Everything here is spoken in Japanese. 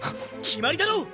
決まりだろ！